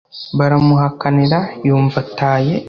baramuhakanira yumva ataye